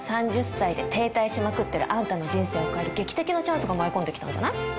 ３０歳で停滞しまくってるあんたの人生を変える劇的なチャンスが舞い込んで来たんじゃない？